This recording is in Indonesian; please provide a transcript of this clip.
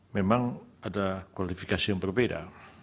memang ada kualifikasi yang berbeda